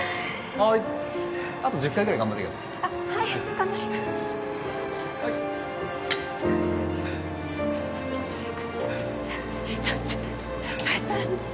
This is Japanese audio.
はいあと１０回ぐらい頑張ってくださいあっはい頑張ります・はいちょっちょっ紗枝さん